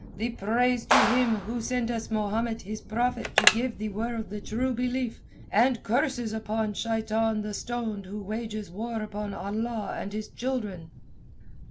"The praise to Him who sent us Mahomet His Prophet to give the world the True Belief, and curses upon Shaitan the stoned who wages war upon Allah and His children."